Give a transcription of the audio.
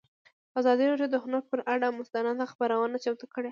ازادي راډیو د هنر پر اړه مستند خپرونه چمتو کړې.